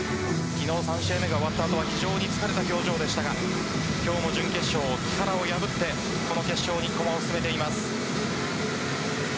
昨日３試合目が終わった後は非常に疲れた表情でしたが今日も準決勝、木原を破ってこの決勝に駒を進めています。